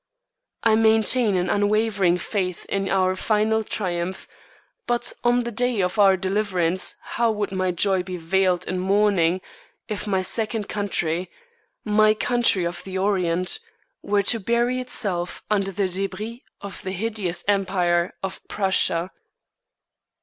I maintain an unwavering faith in our final triumph, but on the day of our deliverance how would my joy be veiled in mourning if my second country, my country of the Orient, were to bury itself under the débris of the hideous Empire of Prussia.